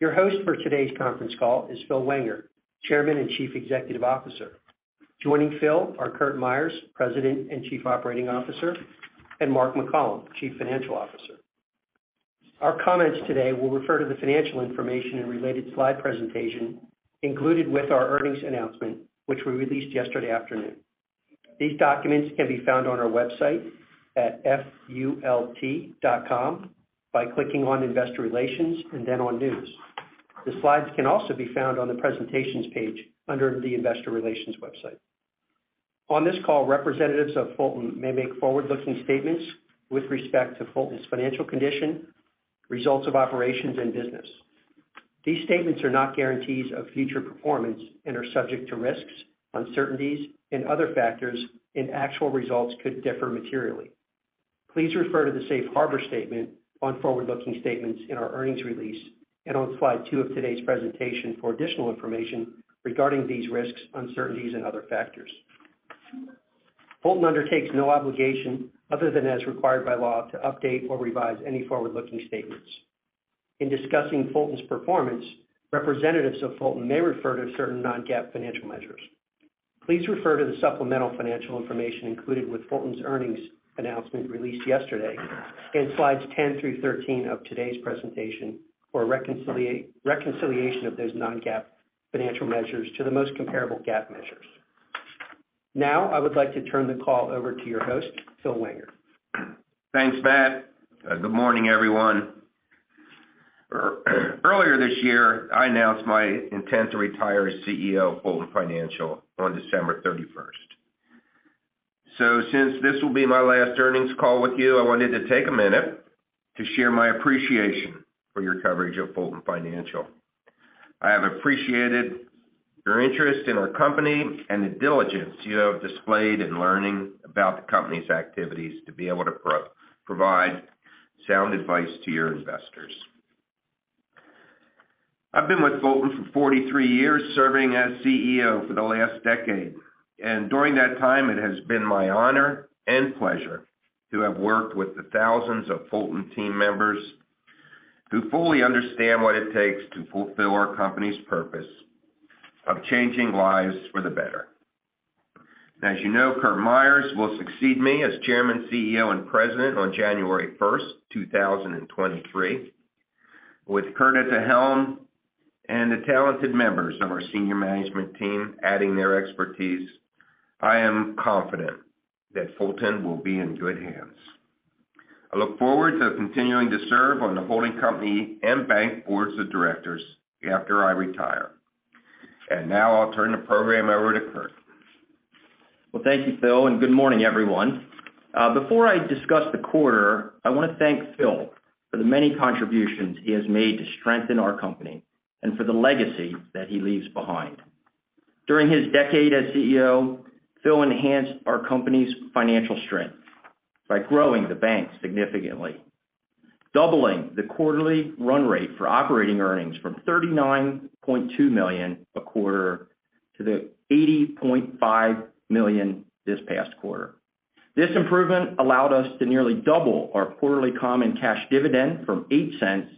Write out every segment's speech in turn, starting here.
Your host for today's conference call is Phil Wenger, Chairman and Chief Executive Officer. Joining Phil are Curt Myers, President and Chief Operating Officer, and Mark McCollom, Chief Financial Officer. Our comments today will refer to the financial information and related slide presentation included with our earnings announcement, which we released yesterday afternoon. These documents can be found on our website at fult.com by clicking on Investor Relations and then on News. The slides can also be found on the Presentations page under the Investor Relations website. On this call, representatives of Fulton may make forward-looking statements with respect to Fulton's financial condition, results of operations and business. These statements are not guarantees of future performance and are subject to risks, uncertainties and other factors, and actual results could differ materially. Please refer to the safe harbor statement on forward-looking statements in our earnings release and on slide 2 of today's presentation for additional information regarding these risks, uncertainties and other factors. Fulton undertakes no obligation other than as required by law to update or revise any forward-looking statements. In discussing Fulton's performance, representatives of Fulton may refer to certain non-GAAP financial measures. Please refer to the supplemental financial information included with Fulton's earnings announcement released yesterday in slides 10 through 13 of today's presentation for reconciliation of those non-GAAP financial measures to the most comparable GAAP measures. Now, I would like to turn the call over to your host, Phil Wenger. Thanks, Matt. Good morning, everyone. Earlier this year, I announced my intent to retire as CEO of Fulton Financial on December 31st. Since this will be my last earnings call with you, I wanted to take a minute to share my appreciation for your coverage of Fulton Financial. I have appreciated your interest in our company and the diligence you have displayed in learning about the company's activities to be able to provide sound advice to your investors. I've been with Fulton for 43 years, serving as CEO for the last decade. During that time, it has been my honor and pleasure to have worked with the thousands of Fulton team members who fully understand what it takes to fulfill our company's purpose of changing lives for the better. As you know, Curt Myers will succeed me as chairman, CEO, and president on January 1, 2023. With Curt at the helm and the talented members of our senior management team adding their expertise, I am confident that Fulton will be in good hands. I look forward to continuing to serve on the holding company and bank boards of directors after I retire. Now I'll turn the program over to Curt. Well, thank you, Phil, and good morning, everyone. Before I discuss the quarter, I want to thank Phil for the many contributions he has made to strengthen our company and for the legacy that he leaves behind. During his decade as CEO, Phil enhanced our company's financial strength by growing the bank significantly, doubling the quarterly run rate for operating earnings from $39.2 million a quarter to the $80.5 million this past quarter. This improvement allowed us to nearly double our quarterly common cash dividend from $0.08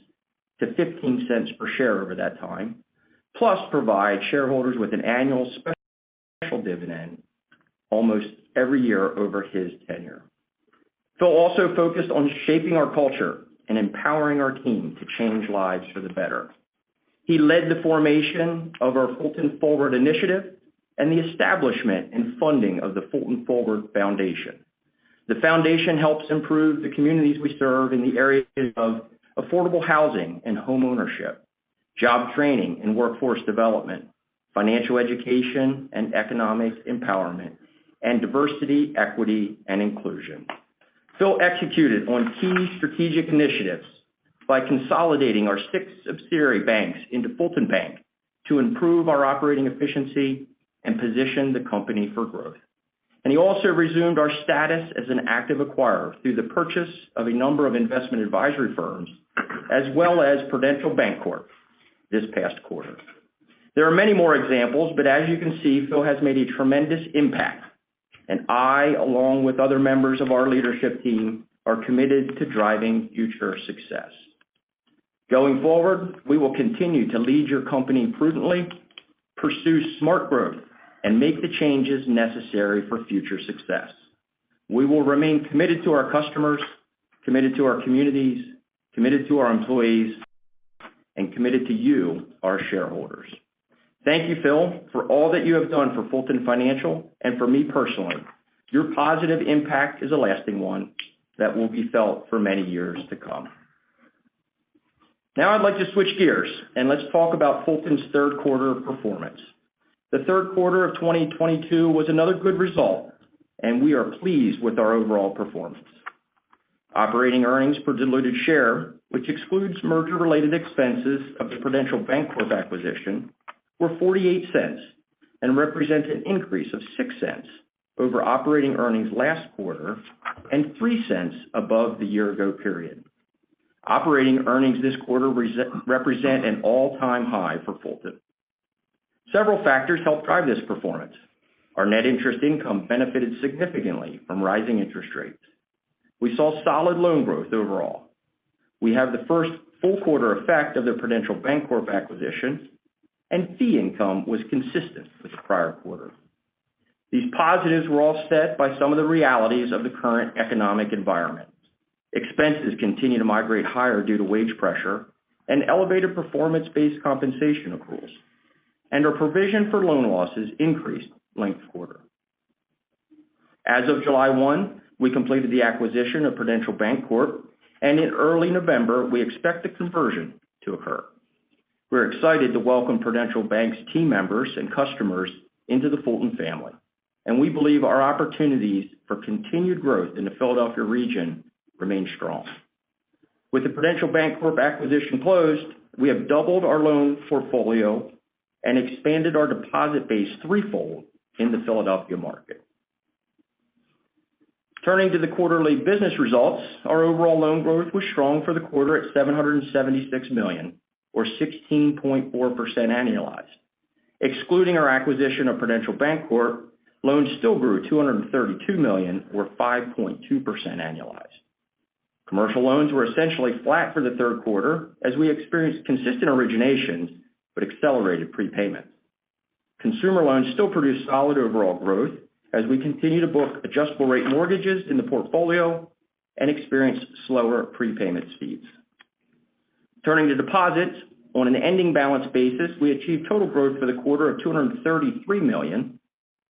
to $0.15 per share over that time, plus provide shareholders with an annual special dividend almost every year over his tenure. Phil also focused on shaping our culture and empowering our team to change lives for the better. He led the formation of our Fulton Forward initiative and the establishment and funding of the Fulton Forward Foundation. The foundation helps improve the communities we serve in the areas of affordable housing and homeownership, job training and workforce development, financial education and economic empowerment, and diversity, equity and inclusion. Phil executed on key strategic initiatives by consolidating our six subsidiary banks into Fulton Bank to improve our operating efficiency and position the company for growth. He also resumed our status as an active acquirer through the purchase of a number of investment advisory firms as well as Prudential Bancorp this past quarter. There are many more examples, but as you can see, Phil has made a tremendous impact. I, along with other members of our leadership team, are committed to driving future success. Going forward, we will continue to lead your company prudently, pursue smart growth, and make the changes necessary for future success. We will remain committed to our customers, committed to our communities, committed to our employees, and committed to you, our shareholders. Thank you, Phil, for all that you have done for Fulton Financial and for me personally. Your positive impact is a lasting one that will be felt for many years to come. Now I'd like to switch gears, and let's talk about Fulton's Q3 performance. The Q3 of 2022 was another good result, and we are pleased with our overall performance. Operating earnings per diluted share, which excludes merger-related expenses of the Prudential Bancorp acquisition, were $0.48 and represent an increase of $0.06 over operating earnings last quarter and $0.03 above the year-ago period. Operating earnings this quarter represent an all-time high for Fulton. Several factors helped drive this performance. Our net interest income benefited significantly from rising interest rates. We saw solid loan growth overall. We have the first full quarter effect of the Prudential Bancorp acquisition, and fee income was consistent with the prior quarter. These positives were offset by some of the realities of the current economic environment. Expenses continue to migrate higher due to wage pressure and elevated performance-based compensation accruals. Our provision for loan losses increased linked quarter. As of July 1, we completed the acquisition of Prudential Bancorp, and in early November, we expect the conversion to occur. We're excited to welcome Prudential Bank's team members and customers into the Fulton family, and we believe our opportunities for continued growth in the Philadelphia region remain strong. With the Prudential Bancorp acquisition closed, we have doubled our loan portfolio and expanded our deposit base threefold in the Philadelphia market. Turning to the quarterly business results, our overall loan growth was strong for the quarter at $776 million or 16.4% annualized. Excluding our acquisition of Prudential Bancorp, loans still grew $232 million or 5.2% annualized. Commercial loans were essentially flat for the Q3 as we experienced consistent originations but accelerated prepayments. Consumer loans still produced solid overall growth as we continue to book adjustable rate mortgages in the portfolio and experience slower prepayment speeds. Turning to deposits, on an ending balance basis, we achieved total growth for the quarter of $233 million.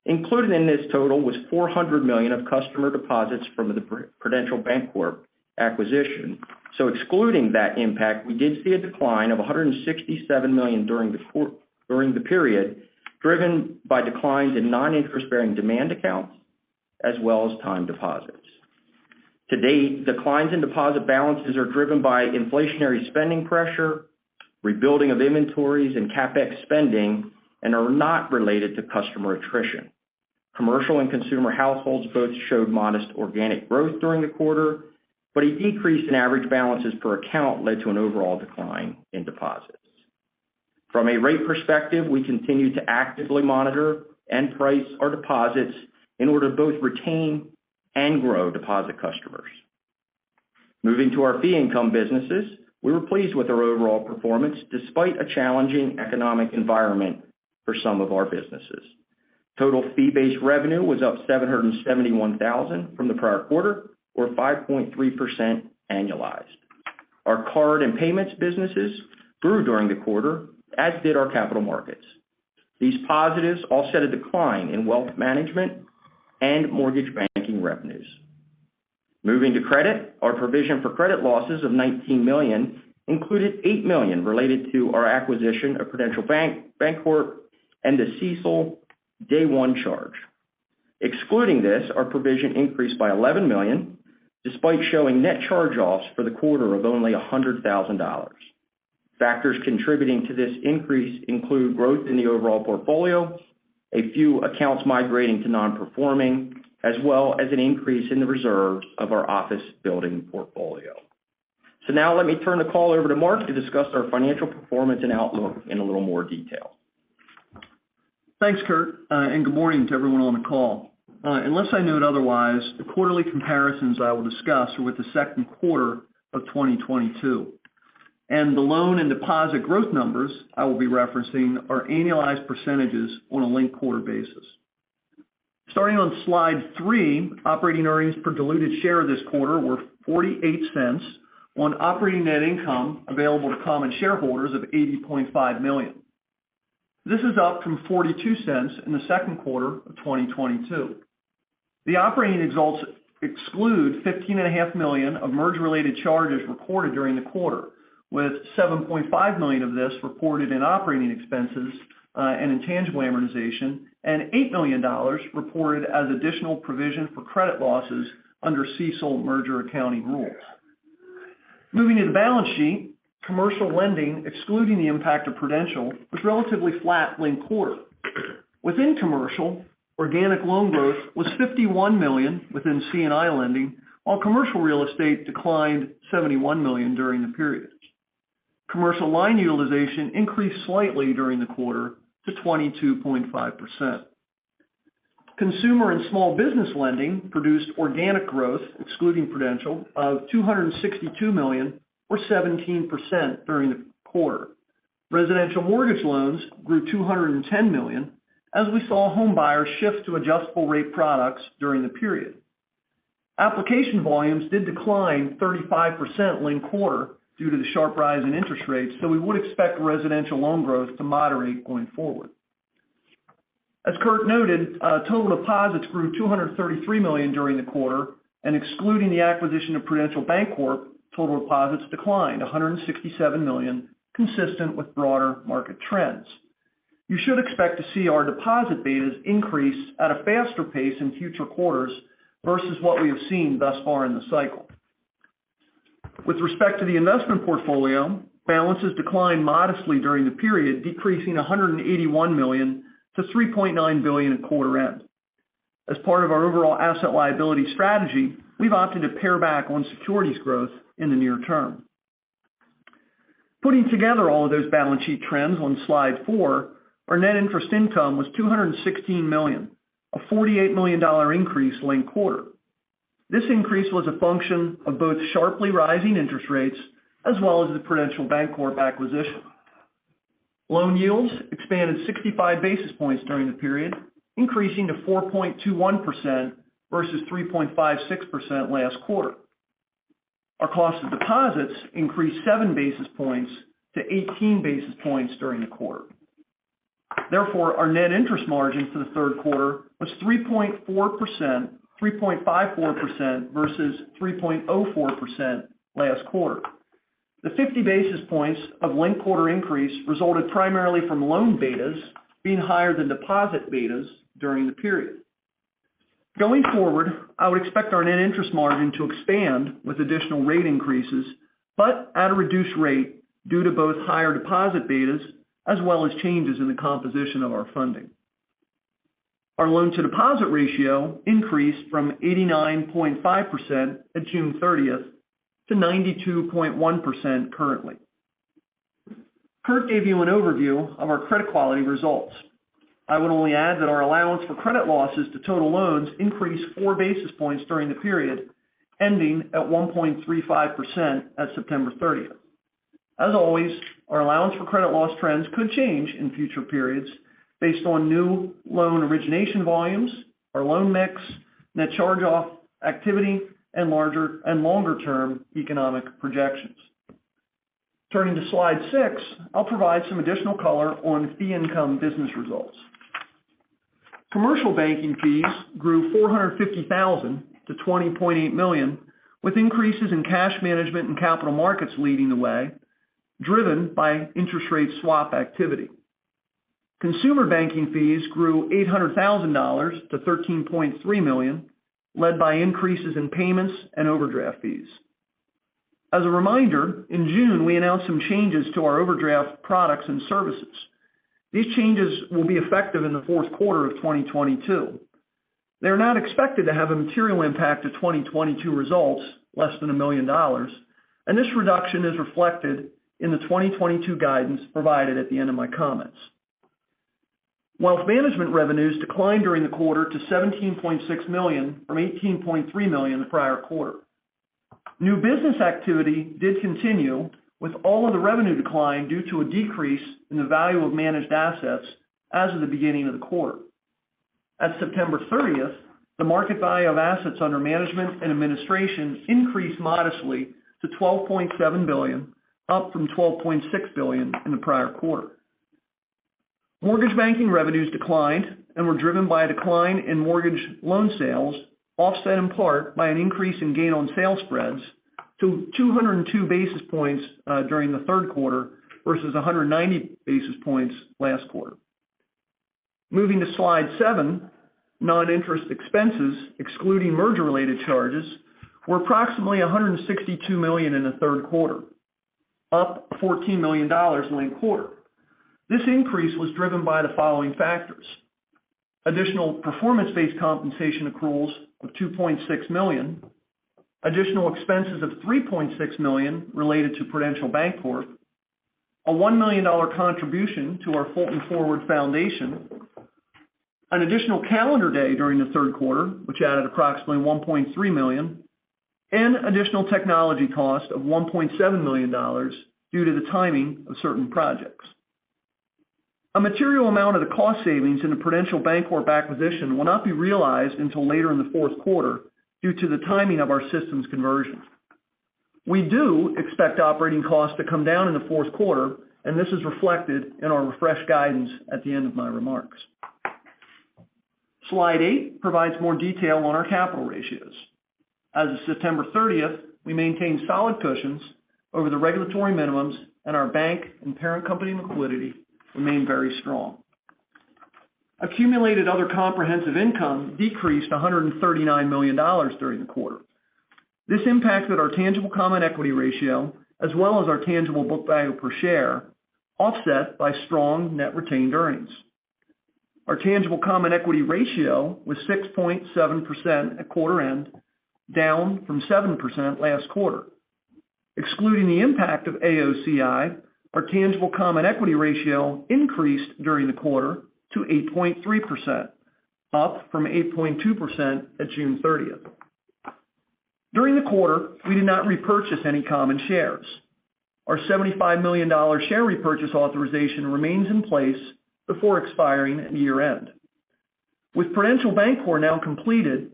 Included in this total was $400 million of customer deposits from the Prudential Bancorp acquisition. Excluding that impact, we did see a decline of $167 million during the period, driven by declines in non-interest bearing demand accounts as well as time deposits. To date, declines in deposit balances are driven by inflationary spending pressure, rebuilding of inventories and CapEx spending, and are not related to customer attrition. Commercial and consumer households both showed modest organic growth during the quarter, but a decrease in average balances per account led to an overall decline in deposits. From a rate perspective, we continue to actively monitor and price our deposits in order to both retain and grow deposit customers. Moving to our fee income businesses, we were pleased with our overall performance despite a challenging economic environment for some of our businesses. Total fee-based revenue was up $771,000 from the prior quarter or 5.3% annualized. Our card and payments businesses grew during the quarter, as did our capital markets. These positives offset a decline in wealth management and mortgage banking revenues. Moving to credit, our provision for credit losses of $19 million included $8 million related to our acquisition of Prudential Bancorp and the CECL day one charge. Excluding this, our provision increased by $11 million, despite showing net charge-offs for the quarter of only $100,000. Factors contributing to this increase include growth in the overall portfolio, a few accounts migrating to non-performing, as well as an increase in the reserves of our office building portfolio. Now let me turn the call over to Mark to discuss our financial performance and outlook in a little more detail. Thanks, Curt, and good morning to everyone on the call. Unless I note otherwise, the quarterly comparisons I will discuss are with the Q2 of 2022. The loan and deposit growth numbers I will be referencing are annualized percentages on a linked quarter basis. Starting on slide 3, operating earnings per diluted share this quarter were $0.48 on operating net income available to common shareholders of $80.5 million. This is up from $0.42 in the Q2 of 2022. The operating results exclude $15.5 million of merger-related charges reported during the quarter, with $7.5 million of this reported in operating expenses, and intangible amortization, and $8 million reported as additional provision for credit losses under CECL merger accounting rules. Moving to the balance sheet, commercial lending, excluding the impact of Prudential, was relatively flat linked-quarter. Within commercial, organic loan growth was $51 million within C&I lending, while commercial real estate declined $71 million during the period. Commercial line utilization increased slightly during the quarter to 22.5%. Consumer and small business lending produced organic growth, excluding Prudential, of $262 million or 17% during the quarter. Residential mortgage loans grew $210 million as we saw home buyers shift to adjustable rate products during the period. Application volumes did decline 35% linked-quarter due to the sharp rise in interest rates, so we would expect residential loan growth to moderate going forward. As Curt noted, total deposits grew $233 million during the quarter, and excluding the acquisition of Prudential Bancorp, total deposits declined $167 million, consistent with broader market trends. You should expect to see our deposit betas increase at a faster pace in future quarters versus what we have seen thus far in the cycle. With respect to the investment portfolio, balances declined modestly during the period, decreasing $181 million to $3.9 billion at quarter end. As part of our overall asset liability strategy, we've opted to pare back on securities growth in the near term. Putting together all of those balance sheet trends on slide four, our net interest income was $216 million, a $48 million increase linked quarter. This increase was a function of both sharply rising interest rates as well as the Prudential Bancorp acquisition. Loan yields expanded 65 basis points during the period, increasing to 4.21% versus 3.56% last quarter. Our cost of deposits increased 7 basis points to 18 basis points during the quarter. Therefore, our net interest margin for the Q3 was 3.4%, 3.54% versus 3.04% last quarter. The 50 basis points of linked quarter increase resulted primarily from loan betas being higher than deposit betas during the period. Going forward, I would expect our net interest margin to expand with additional rate increases, but at a reduced rate due to both higher deposit betas as well as changes in the composition of our funding. Our loan to deposit ratio increased from 89.5% at June 30 to 92.1% currently. Curt gave you an overview of our credit quality results. I would only add that our allowance for credit losses to total loans increased 4 basis points during the period, ending at 1.35% at September 30. As always, our allowance for credit loss trends could change in future periods based on new loan origination volumes, our loan mix, net charge-off activity and larger and longer-term economic projections. Turning to slide six, I'll provide some additional color on fee income business results. Commercial banking fees grew $450,000 to $20.8 million, with increases in cash management and capital markets leading the way, driven by interest rate swap activity. Consumer banking fees grew $800,000 to $13.3 million, led by increases in payments and overdraft fees. As a reminder, in June, we announced some changes to our overdraft products and services. These changes will be effective in the Q4 of 2022. They are not expected to have a material impact to 2022 results, less than $1 million, and this reduction is reflected in the 2022 guidance provided at the end of my comments. Wealth management revenues declined during the quarter to $17.6 million from $18.3 million the prior quarter. New business activity did continue, with all of the revenue decline due to a decrease in the value of managed assets as of the beginning of the quarter. As of September thirtieth, the market value of assets under management and administration increased modestly to $12.7 billion, up from $12.6 billion in the prior quarter. Mortgage banking revenues declined and were driven by a decline in mortgage loan sales, offset in part by an increase in gain on sale spreads to 202 basis points during the Q3 versus 190 basis points last quarter. Moving to slide 7, non-interest expenses excluding merger related charges were approximately $162 million in the Q3, up $14 million linked quarter. This increase was driven by the following factors. Additional performance-based compensation accruals of $2.6 million, additional expenses of $3.6 million related to Prudential Bancorp, a $1 million contribution to our Fulton Forward Foundation, an additional calendar day during the Q3 which added approximately $1.3 million and additional technology cost of $1.7 million due to the timing of certain projects. A material amount of the cost savings in the Prudential Bancorp acquisition will not be realized until later in the Q4 due to the timing of our systems conversion. We do expect operating costs to come down in the Q4, and this is reflected in our refreshed guidance at the end of my remarks. Slide 8 provides more detail on our capital ratios. As of September 30, we maintained solid cushions over the regulatory minimums, and our bank and parent company liquidity remain very strong. Accumulated other comprehensive income decreased $139 million during the quarter. This impacted our tangible common equity ratio as well as our tangible book value per share, offset by strong net retained earnings. Our tangible common equity ratio was 6.7% at quarter end, down from 7% last quarter. Excluding the impact of AOCI, our tangible common equity ratio increased during the quarter to 8.3%, up from 8.2% at June 30. During the quarter, we did not repurchase any common shares. Our $75 million share repurchase authorization remains in place before expiring at year-end. With Prudential Bancorp now completed,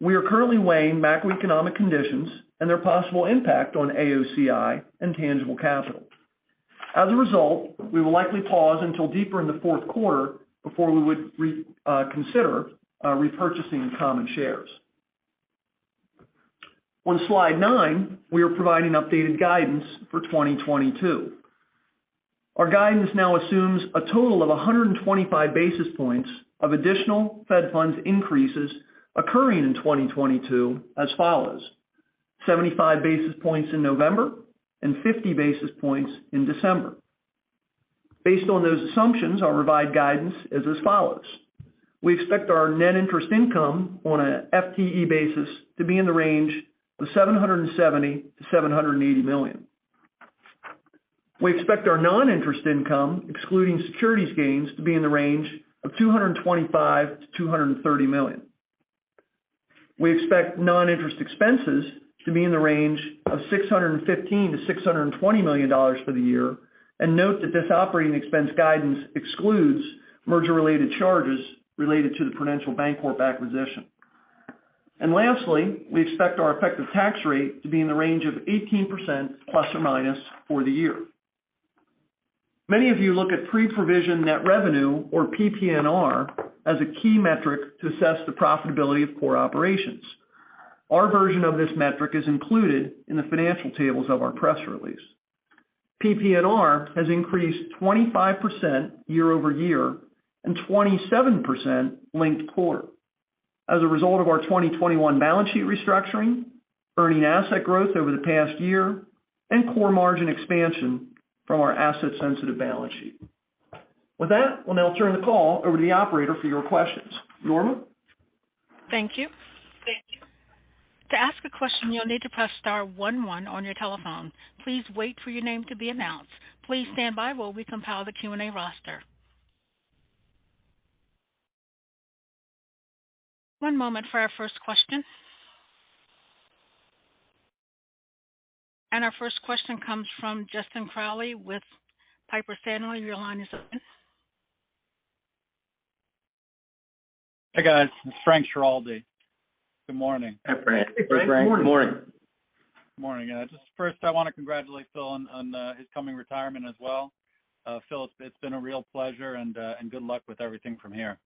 we are currently weighing macroeconomic conditions and their possible impact on AOCI and tangible capital. As a result, we will likely pause until deeper in the Q4 before we would reconsider repurchasing the common shares. On slide 9, we are providing updated guidance for 2022. Our guidance now assumes a total of 125 basis points of additional Fed funds increases occurring in 2022 as follows: 75 basis points in November and 50 basis points in December. Based on those assumptions, our revised guidance is as follows: We expect our net interest income on a FTE basis to be in the range of $770 million-$780 million. We expect our non-interest income, excluding securities gains, to be in the range of $225 million-$230 million. We expect non-interest expenses to be in the range of $615 million-$620 million for the year, and note that this operating expense guidance excludes merger-related charges related to the Prudential Bancorp acquisition. Lastly, we expect our effective tax rate to be in the range of 18% ± for the year. Many of you look at pre-provision net revenue or PPNR as a key metric to assess the profitability of core operations. Our version of this metric is included in the financial tables of our press release. PPNR has increased 25% year-over-year and 27% linked-quarter as a result of our 2021 balance sheet restructuring, earning asset growth over the past year, and core margin expansion from our asset-sensitive balance sheet. With that, we'll now turn the call over to the operator for your questions. Norma? Thank you. To ask a question, you'll need to press star one one on your telephone. Please wait for your name to be announced. Please stand by while we compile the Q&A roster. One moment for our first question. Our first question comes from Frank Schiraldi with Piper Sandler. Your line is open. Hey, guys. It's Frank Schiraldi. Good morning. Hi, Frank. Good morning. Morning. Just first, I want to congratulate Phil on his coming retirement as well. Phil, it's been a real pleasure and good luck with everything from here.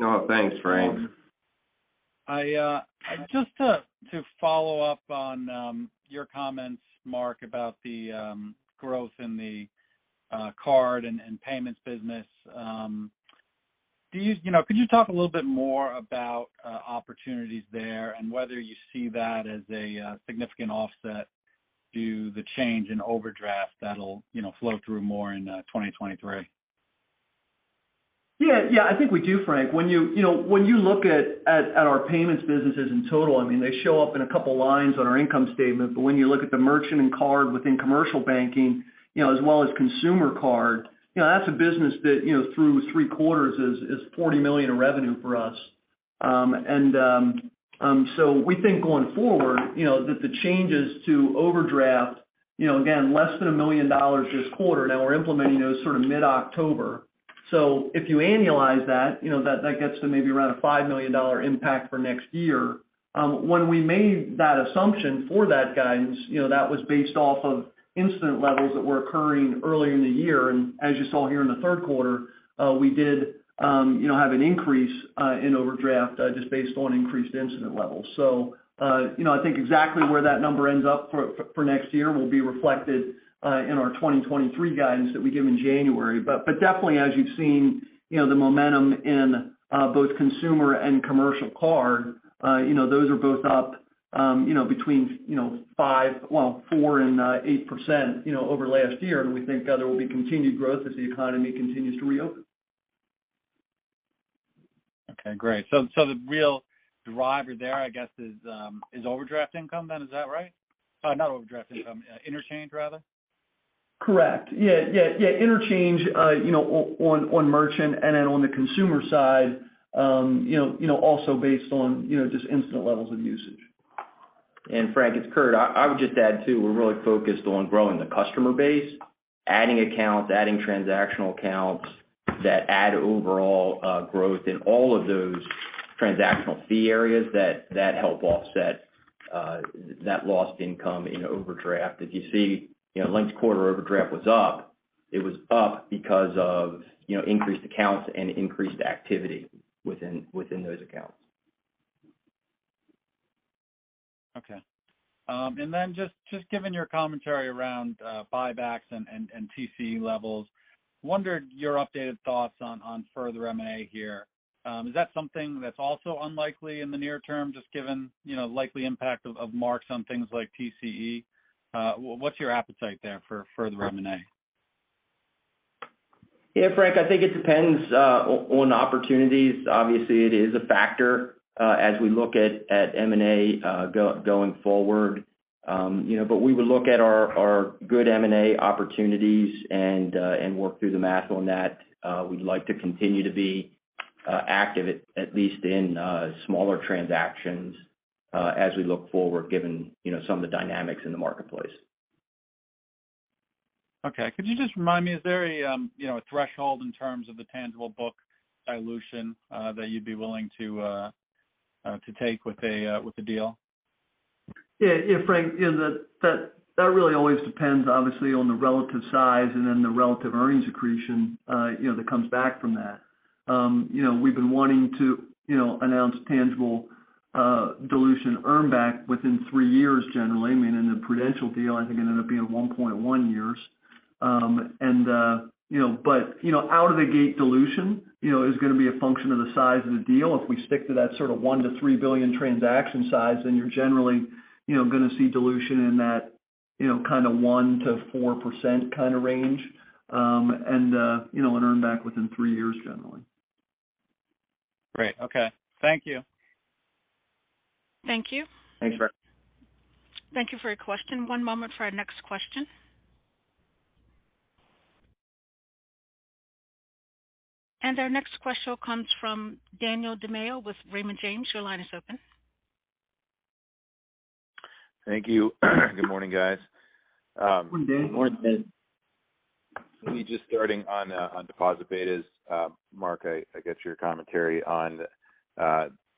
Oh, thanks, Frank. Just to follow up on your comments, Mark, about the growth in the card and payments business. Do you know, could you talk a little bit more about opportunities there and whether you see that as a significant offset to the change in overdraft that'll, you know, flow through more in 2023? Yeah. Yeah, I think we do, Frank. When you know, when you look at our payments businesses in total, I mean, they show up in a couple lines on our income statement. When you look at the merchant and card within commercial banking, you know, as well as consumer card, you know, that's a business that, you know, through three quarters is $40 million in revenue for us. We think going forward, you know, that the changes to overdraft, you know, again, less than $1 million this quarter. Now we're implementing those sort of mid-October. If you annualize that, you know, that gets to maybe around a $5 million impact for next year. When we made that assumption for that guidance, you know, that was based off of incident levels that were occurring earlier in the year. As you saw here in the Q3, we did, you know, have an increase in overdraft just based on increased incident levels. I think exactly where that number ends up for next year will be reflected in our 2023 guidance that we give in January. But definitely, as you've seen, you know, the momentum in both consumer and commercial card, you know, those are both up, you know, between 4% and 8%, you know, over last year. We think there will be continued growth as the economy continues to reopen. Okay, great. The real driver there, I guess, is overdraft income then, is that right? Not overdraft income, interchange rather. Correct. Yeah. Interchange, you know, on merchant and then on the consumer side, you know, also based on, you know, just instant levels of usage. Frank, it's Curt. I would just add, too, we're really focused on growing the customer base, adding accounts, adding transactional accounts that add overall, growth in all of those transactional fee areas that help offset that lost income in overdraft. As you see, you know, linked quarter overdraft was up. It was up because of, you know, increased accounts and increased activity within those accounts. Okay. Just given your commentary around buybacks and TCE levels, wondered your updated thoughts on further M&A here. Is that something that's also unlikely in the near term, just given you know likely impact of marks on things like TCE? What's your appetite there for further M&A? Yeah, Frank, I think it depends on opportunities. Obviously, it is a factor as we look at M&A going forward. You know, we would look at our good M&A opportunities and work through the math on that. We'd like to continue to be active at least in smaller transactions as we look forward, given you know, some of the dynamics in the marketplace. Okay. Could you just remind me, is there you know, a threshold in terms of the tangible book dilution that you'd be willing to take with the deal? Yeah. Yeah, Frank, you know, that really always depends, obviously, on the relative size and then the relative earnings accretion, you know, that comes back from that. You know, we've been wanting to, you know, announce tangible dilution earn back within three years generally. I mean, in the Prudential deal, I think it ended up being 1.1 years. You know, but, you know, out of the gate dilution, you know, is gonna be a function of the size of the deal. If we stick to that sort of $1 billion-$3 billion transaction size, then you're generally, you know, gonna see dilution in that, you know, kind of 1%-4% kind of range. You know, an earn back within three years generally. Great. Okay. Thank you. Thank you. Thanks, Mark. Thank you for your question. One moment for our next question. Our next question comes from Daniel Tamayo with Raymond James & Associates. Your line is open. Thank you. Good morning, guys. Good morning, Dan. Let me just start on deposit betas. Mark, I get your commentary on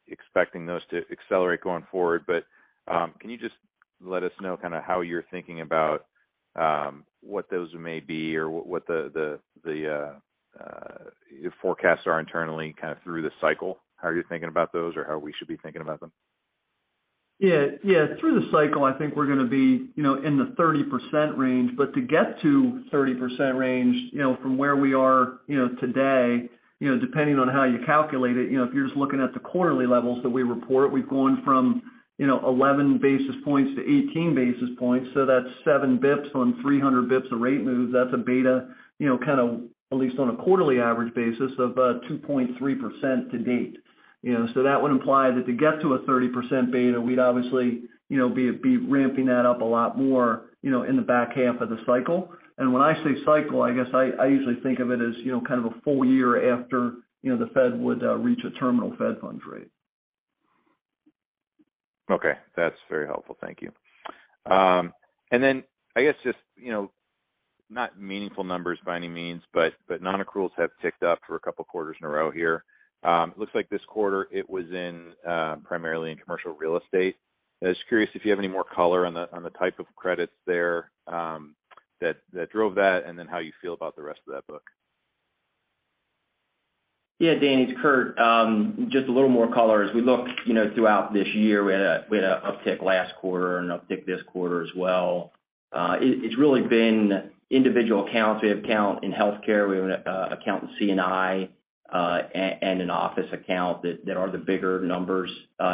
expecting those to accelerate going forward. Can you just let us know kind of how you're thinking about what those may be or what the forecasts are internally kind of through the cycle? How are you thinking about those or how we should be thinking about them? Yeah, yeah. Through the cycle, I think we're gonna be, you know, in the 30% range. To get to 30% range, you know, from where we are, you know, today, you know, depending on how you calculate it, you know, if you're just looking at the quarterly levels that we report, we've gone from, you know, 11 basis points to 18 basis points, so that's seven basis points on 300 basis points a rate move. That's a beta, you know, kind of at least on a quarterly average basis of 2.3% to date. You know, so that would imply that to get to a 30% beta, we'd obviously, you know, be ramping that up a lot more, you know, in the back half of the cycle. When I say cycle, I guess I usually think of it as, you know, kind of a full year after, you know, the Fed would reach a terminal Fed funds rate. Okay. That's very helpful. Thank you. I guess just, you know, not meaningful numbers by any means, but non-accruals have ticked up for a couple of quarters in a row here. Looks like this quarter it was primarily in commercial real estate. I was curious if you have any more color on the type of credits there, that drove that, and then how you feel about the rest of that book. Yeah, Dan, it's Curt. Just a little more color. As we look, you know, throughout this year, we had an uptick last quarter and an uptick this quarter as well. It's really been individual accounts. We have account in healthcare. We have an account in C&I, and an office account that are the bigger numbers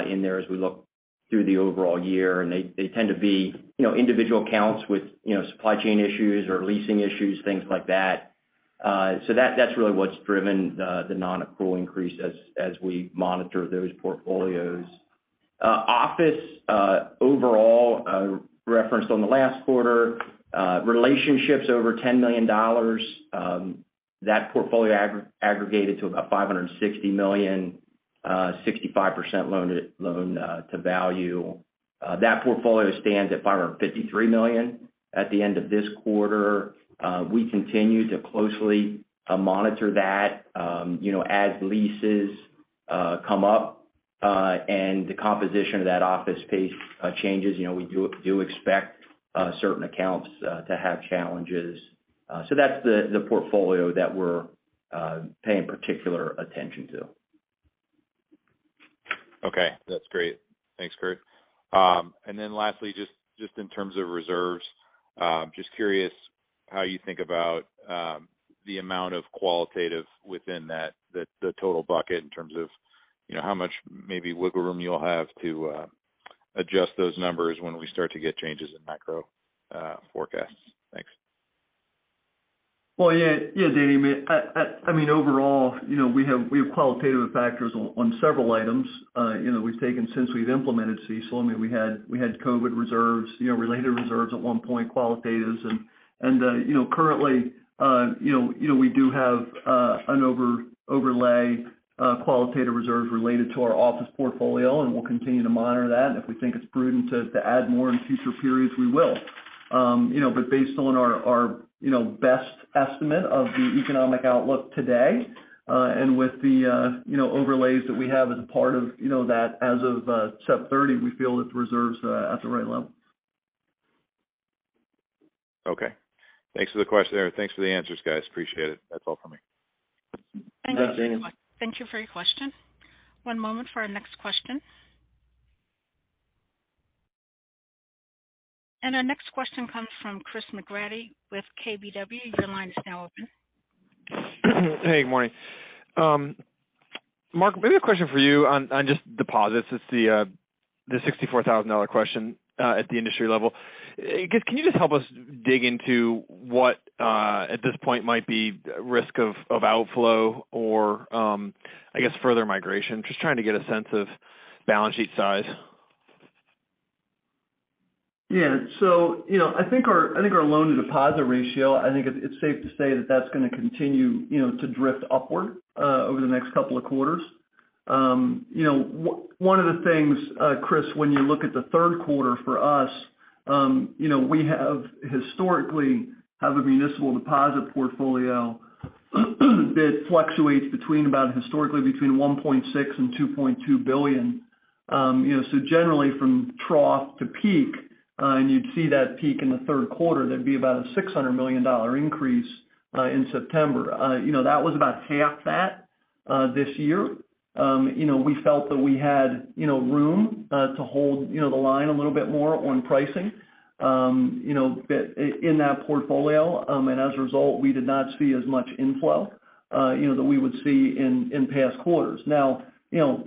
in there as we look through the overall year. They tend to be, you know, individual accounts with, you know, supply chain issues or leasing issues, things like that. So that's really what's driven the non-accrual increase as we monitor those portfolios. Office overall, referenced on the last quarter, relationships over $10 million, that portfolio aggregated to about $560 million, 65% loan to value. That portfolio stands at $553 million at the end of this quarter. We continue to closely monitor that, you know, as leases come up and the composition of that office space changes. You know, we do expect certain accounts to have challenges. That's the portfolio that we're paying particular attention to. Okay, that's great. Thanks, Curt. Lastly, just in terms of reserves, just curious how you think about the amount of qualitative within that, the total bucket in terms of, you know, how much maybe wiggle room you'll have to adjust those numbers when we start to get changes in macro forecasts. Thanks. Well, yeah. Yeah, Daniel. I mean, overall, you know, we have qualitative factors on several items. You know, we've taken since we've implemented CECL. I mean, we had COVID reserves, related reserves at one point, qualitatives. We do have an overlay qualitative reserves related to our office portfolio, and we'll continue to monitor that. If we think it's prudent to add more in future periods, we will. You know, but based on our best estimate of the economic outlook today, and with the overlays that we have as a part of that as of September 30, we feel our reserves at the right level. Okay. Thanks for the question there. Thanks for the answers, guys. Appreciate it. That's all for me. Thank you for your question. One moment for our next question. Our next question comes from Chris McGratty with KBW. Your line is now open. Hey, good morning. Mark, maybe a question for you on just deposits. It's the $64,000 question at the industry level. Can you just help us dig into what at this point might be risk of outflow or I guess further migration? Just trying to get a sense of balance sheet size. Yeah. I think our loan-to-deposit ratio. I think it's safe to say that that's gonna continue, you know, to drift upward over the next couple of quarters. One of the things, Chris, when you look at the Q3 for us, you know, we have historically a municipal deposit portfolio that fluctuates between about $1.6 billion-$2.2 billion. Generally, from trough to peak, and you'd see that peak in the Q3, there'd be about a $600 million increase in September. You know, that was about half that this year. You know, we felt that we had, you know, room to hold, you know, the line a little bit more on pricing, you know, but in that portfolio. As a result, we did not see as much inflow, you know, that we would see in past quarters. Now, you know,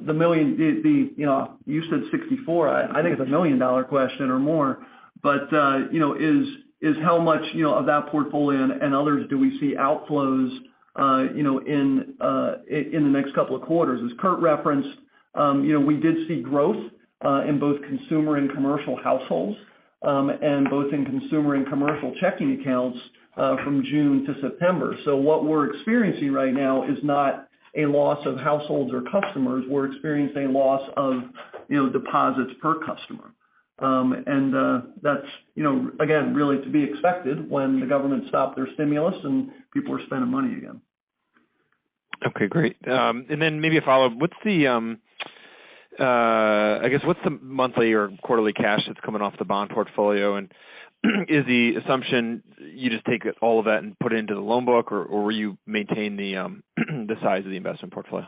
you said 64, I think it's a million-dollar question or more, but, you know, is how much, you know, of that portfolio and others do we see outflows, you know, in the next couple of quarters? As Curt referenced, you know, we did see growth in both consumer and commercial households, and both in consumer and commercial checking accounts, from June to September. What we're experiencing right now is not a loss of households or customers, we're experiencing a loss of, you know, deposits per customer. That's, you know, again, really to be expected when the government stop their stimulus and people are spending money again. Okay, great. Maybe a follow-up. What's the monthly or quarterly cash that's coming off the bond portfolio? And is the assumption you just take all of that and put it into the loan book or you maintain the size of the investment portfolio?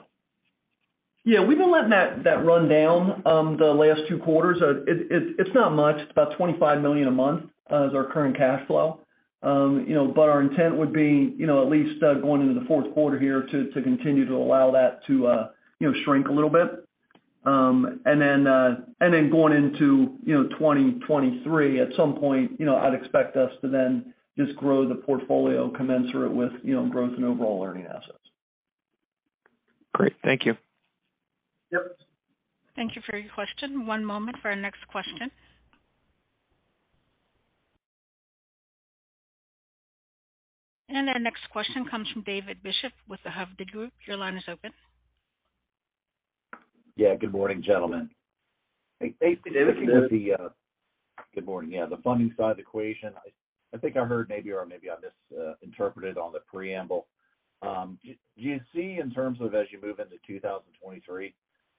Yeah, we've been letting that run down the last two quarters. It's not much, it's about $25 million a month is our current cash flow. You know, but our intent would be, you know, at least going into the Q4 here to continue to allow that to you know, shrink a little bit. Going into you know, 2023, at some point, you know, I'd expect us to then just grow the portfolio commensurate with you know, growth in overall earning assets. Great. Thank you. Yep. Thank you for your question. One moment for our next question. Our next question comes from David Bishop with The Hovde Group. Your line is open. Yeah. Good morning, gentlemen. Hey, David. David, good. Good morning. Yeah, the funding side of the equation. I think I heard maybe I misinterpreted on the preamble. Do you see in terms of as you move into 2023,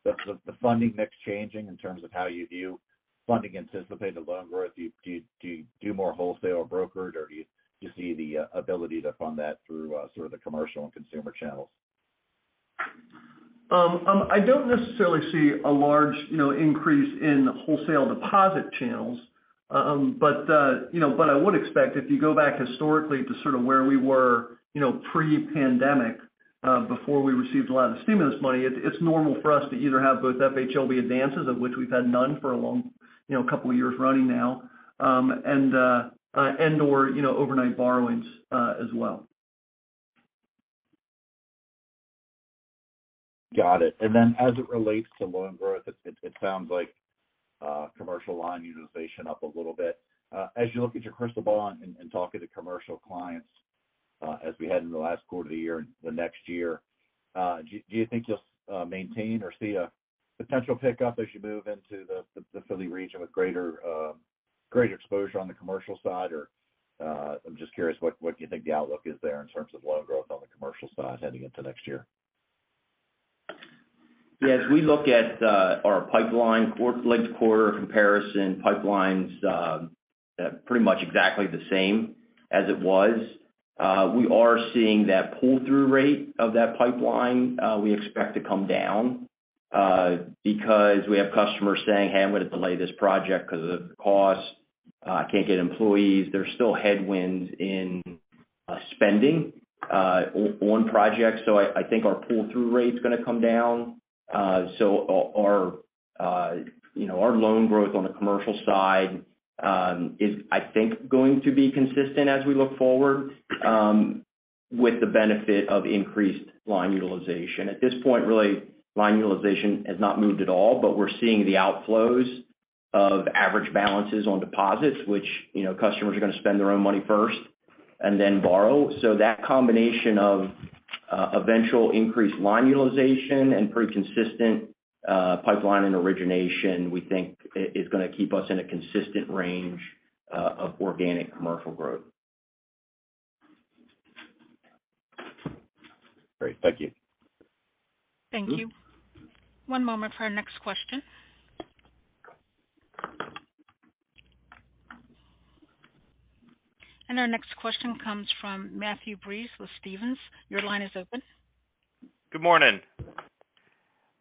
the funding mix changing in terms of how you view funding anticipated loan growth? Do you do more wholesale or brokered, or do you just see the ability to fund that through sort of the commercial and consumer channels? I don't necessarily see a large, you know, increase in wholesale deposit channels. I would expect if you go back historically to sort of where we were, you know, pre-pandemic, before we received a lot of the stimulus money, it's normal for us to either have both FHLB advances, of which we've had none for a long, you know, couple of years running now, and/or, you know, overnight borrowings, as well. Got it. As it relates to loan growth, it sounds like commercial line utilization up a little bit. As you look at your crystal ball and talk to the commercial clients, as we head into the last quarter of the year and the next year, do you think you'll maintain or see a potential pickup as you move into the Philly region with greater exposure on the commercial side? Or, I'm just curious what you think the outlook is there in terms of loan growth on the commercial side heading into next year. Yeah. As we look at our pipeline quarter-to-quarter comparison pipelines pretty much exactly the same as it was. We are seeing that pull-through rate of that pipeline we expect to come down because we have customers saying, "Hey, I'm gonna delay this project 'cause of the cost. Can't get employees." There's still headwinds in spending on projects. I think our pull-through rate's gonna come down. Our, you know, our loan growth on the commercial side is, I think, going to be consistent as we look forward with the benefit of increased line utilization. At this point, really, line utilization has not moved at all, but we're seeing the outflows of average balances on deposits, which, you know, customers are gonna spend their own money first and then borrow. That combination of eventual increased line utilization and pretty consistent pipeline and origination, we think is gonna keep us in a consistent range of organic commercial growth. Great. Thank you. Thank you. One moment for our next question. Our next question comes from Matthew Breese with Stephens. Your line is open. Good morning.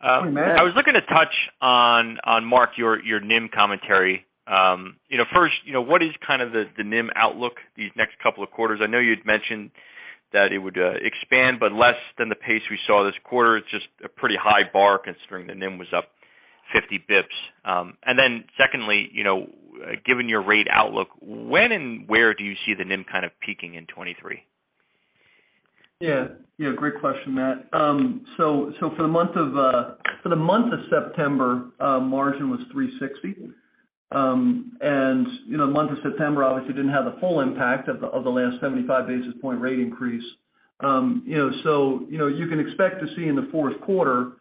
Good morning, Matt. I was looking to touch on Mark, your NIM commentary. You know, first, you know, what is kind of the NIM outlook these next couple of quarters? I know you'd mentioned that it would expand, but less than the pace we saw this quarter. It's just a pretty high bar considering the NIM was up 50 basis points. Secondly, you know, given your rate outlook, when and where do you see the NIM kind of peaking in 2023? Yeah. Yeah, great question, Matt. For the month of September, margin was 3.60%. You know, month of September obviously didn't have the full impact of the last 75 basis point rate increase. You can expect to see in the Q4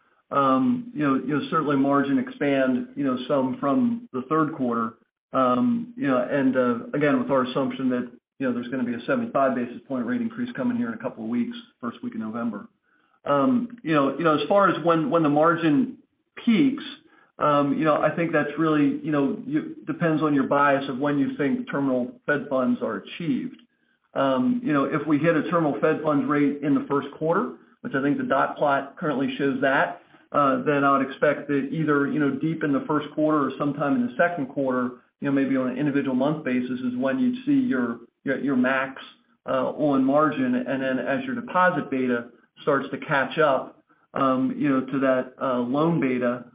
certainly margin expand some from the Q3. You know, and again, with our assumption that there's gonna be a 75 basis point rate increase coming here in a couple of weeks, first week of November. You know, as far as when the margin peaks, you know, I think that's really, you know, depends on your bias of when you think terminal Fed funds are achieved. You know, if we hit a terminal Fed funds rate in the Q1, which I think the dot plot currently shows that, then I would expect that either, you know, deep in the Q1 or sometime in the Q2, you know, maybe on an individual month basis, is when you'd see your max on margin. As your deposit beta starts to catch up, you know, to that loan beta,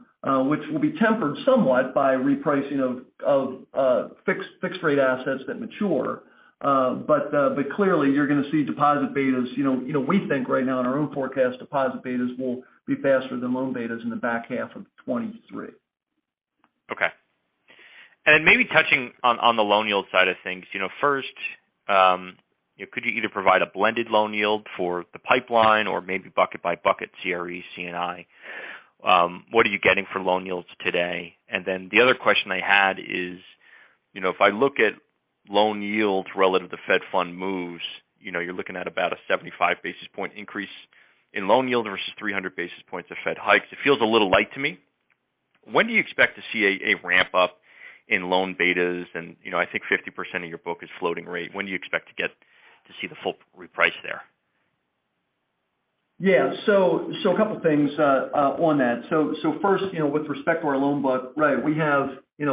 which will be tempered somewhat by repricing of fixed rate assets that mature. But clearly you're gonna see deposit betas. You know, we think right now in our own forecast, deposit betas will be faster than loan betas in the back half of 2023. Okay. Maybe touching on the loan yield side of things. You know, first, could you either provide a blended loan yield for the pipeline or maybe bucket by bucket CRE, C&I? What are you getting for loan yields today? The other question I had is, you know, if I look at loan yields relative to Fed Fund moves, you know, you're looking at about a 75 basis point increase in loan yield versus 300 basis points of Fed hikes. It feels a little light to me. When do you expect to see a ramp-up in loan betas? You know, I think 50% of your book is floating rate. When do you expect to get to see the full reprice there? A couple of things on that. First, with respect to our loan book, right, we have a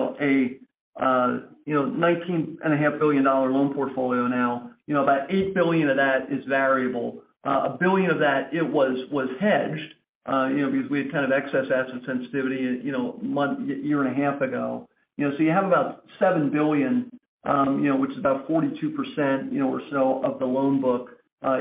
$19.5 billion loan portfolio now. You know, about $8 billion of that is variable. $1 billion of that was hedged, you know, because we had kind of excess asset sensitivity, you know, a year and a half ago. You know, so you have about $7 billion, you know, which is about 42%, you know, or so of the loan book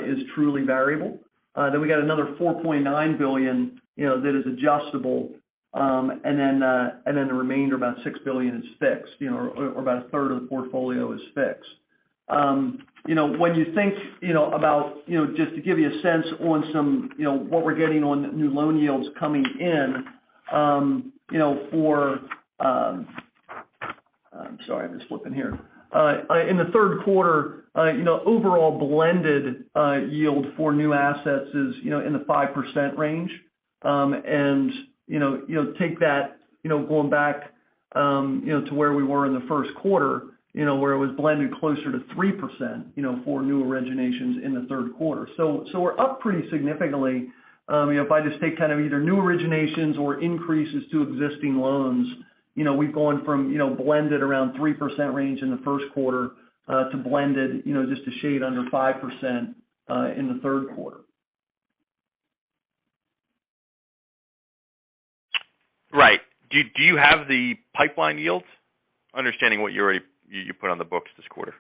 is truly variable. Then we got another $4.9 billion, you know, that is adjustable. And then the remainder, about $6 billion is fixed, you know, or about a third of the portfolio is fixed. You know, when you think about just to give you a sense on some what we're getting on new loan yields coming in, you know, for in the Q3, you know, overall blended yield for new assets is, you know, in the 5% range. You'll take that going back to where we were in the Q1, you know, where it was blended closer to 3% for new originations in the Q3. So we're up pretty significantly, you know, by just taking kind of either new originations or increases to existing loans. You know, we've gone from, you know, blended around 3% range in the Q1 to blended, you know, just a shade under 5% in the Q3. Right. Do you have the pipeline yields, understanding what you put on the books this quarter.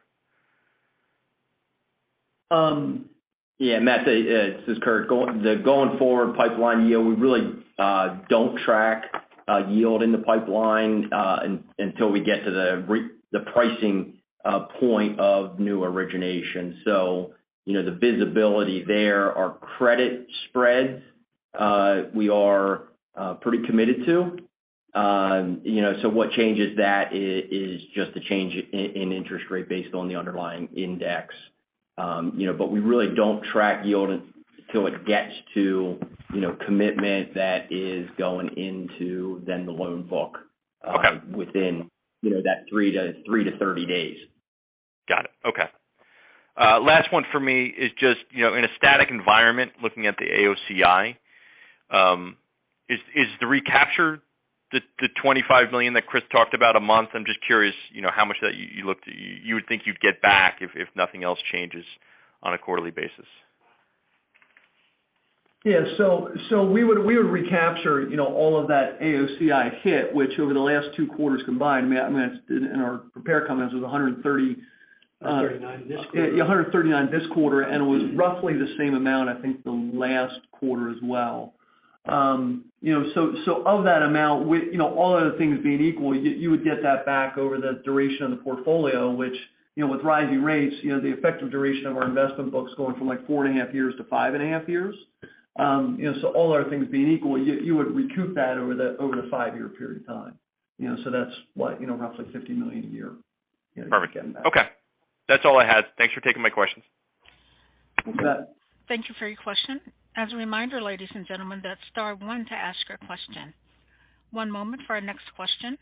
Yeah. Matt, this is Curt. The going forward pipeline yield, we really don't track yield in the pipeline until we get to the pricing point of new origination. You know, the visibility there are credit spreads we are pretty committed to. You know, what changes that is just a change in interest rate based on the underlying index. You know, we really don't track yield until it gets to, you know, commitment that is going into then the loan book. Okay. Within, you know, that 3-30 days. Got it. Okay. Last one for me is just, you know, in a static environment, looking at the AOCI, is the recapture the $25 million that Chris talked about a month? I'm just curious, you know, how much that you looked at. You would think you'd get back if nothing else changes on a quarterly basis. We would recapture, you know, all of that AOCI hit, which over the last two quarters combined, Matt, in our prepared comments, was $130. 139 this quarter. Yeah, 139 this quarter, and it was roughly the same amount, I think, the last quarter as well. Of that amount, with, you know, all other things being equal, you would get that back over the duration of the portfolio, which, you know, with rising rates, you know, the effective duration of our investment book is going from, like, 4.5 years to 5.5 years. All other things being equal, you would recoup that over the 5-year period of time. You know, that's, what? You know, roughly $50 million a year. Perfect. Okay. That's all I had. Thanks for taking my questions. You bet. Thank you for your question. As a reminder, ladies and gentlemen, that's star one to ask your question. One moment for our next question.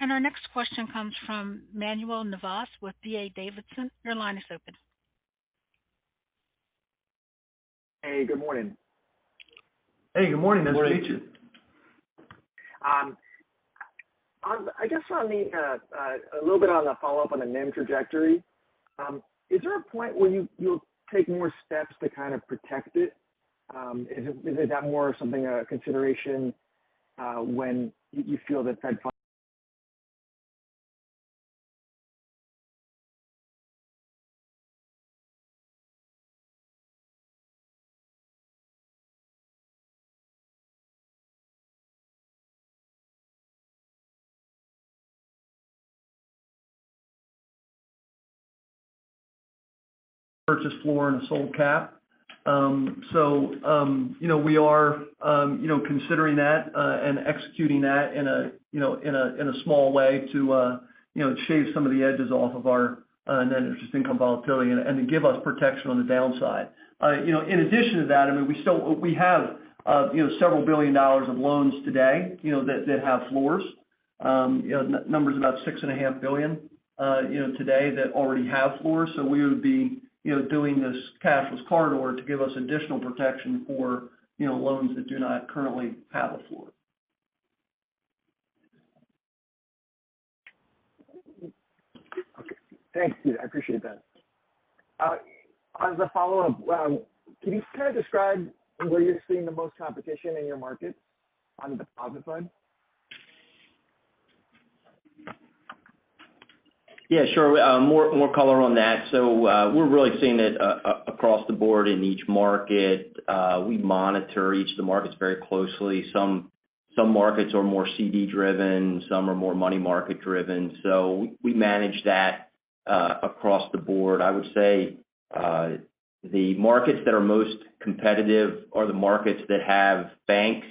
Our next question comes from Manuel Navas with D.A. Davidson. Your line is open. Hey, good morning. Hey, good morning. Nice to meet you. I guess a little bit on the follow-up on the NIM trajectory. Is there a point where you'll take more steps to kind of protect it? Is it more of a consideration when you feel that Fed funds Purchased floor and sold cap. We are considering that and executing that in a small way to shave some of the edges off of our net interest income volatility and to give us protection on the downside. In addition to that, I mean, we have several billion dollars of loans today that have floors. Numbers about $6.5 billion today that already have floors. We would be doing this costless collar to give us additional protection for loans that do not currently have a floor. Okay. Thank you. I appreciate that. As a follow-up, can you kind of describe where you're seeing the most competition in your markets on the deposit side? Yeah, sure. More color on that. We're really seeing it across the board in each market. We monitor each of the markets very closely. Some markets are more CD-driven, some are more money market-driven. We manage that across the board. I would say, the markets that are most competitive are the markets that have banks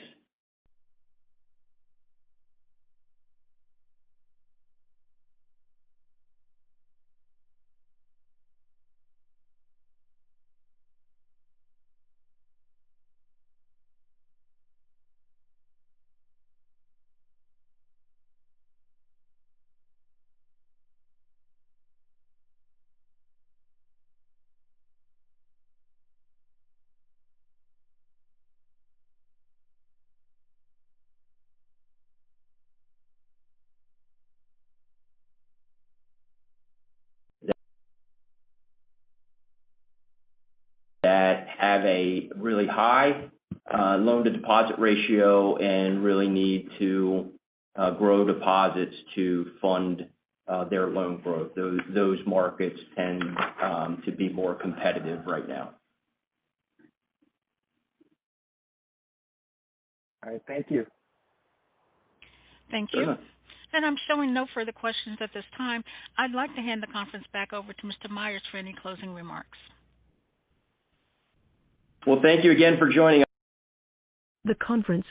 that have a really high loan-to-deposit ratio and really need to grow deposits to fund their loan growth. Those markets tend to be more competitive right now. All right. Thank you. Thank you. Yeah. I'm showing no further questions at this time. I'd like to hand the conference back over to Mr. Myers for any closing remarks. Well, thank you again for joining us. The conference.